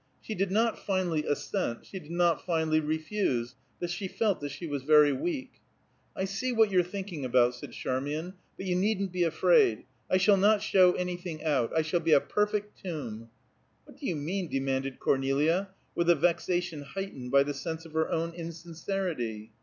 She did not finally assent; she did not finally refuse; but she felt that she was very weak. "I see what you're thinking about," said Charmian, "but you needn't be afraid. I shall not show anything out. I shall be a perfect tomb." "What do you mean?" demanded Cornelia, with a vexation heightened by the sense of her own insincerity.